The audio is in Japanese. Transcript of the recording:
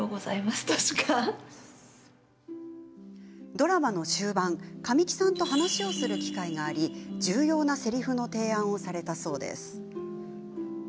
ドラマの終盤神木さんと話をする機会があり重要なせりふの提案をされたそうです。